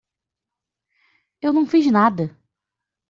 Eu não fiz nada.